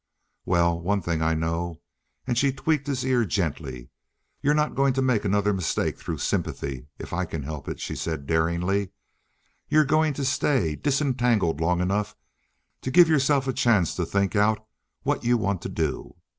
"Well, one thing I know—" and she tweaked his ear gently. "You're not going to make another mistake through sympathy if I can help it," she said daringly. "You're going to stay disentangled long enough to give yourself a chance to think out what you want to do.